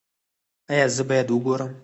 ایا زه باید وګورم؟